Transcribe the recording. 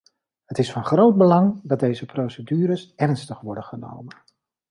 Het is van groot belang dat deze procedures ernstig worden genomen.